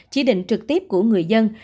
chỉ định trực tiếp của người dân